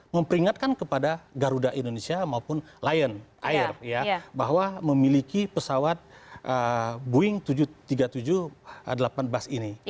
memperingatkan kepada garuda indonesia maupun lion air ya bahwa memiliki pesawat boeing tujuh ratus tiga puluh tujuh delapan belas ini